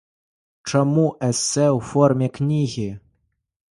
Чаму эсэ ў форме кнігі?